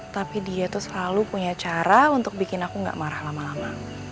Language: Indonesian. tapi dia tuh selalu punya cara untuk bikin aku gak marah lama lama